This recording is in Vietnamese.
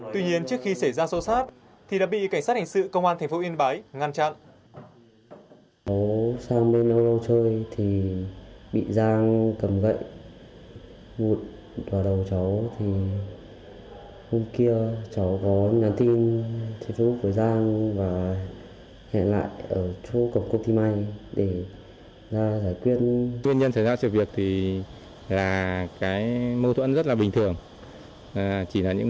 tuy nhiên trước khi xảy ra sâu sát thì đã bị cảnh sát hành sự công an thành phố yên bái ngăn chặn